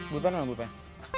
burupan apa burupan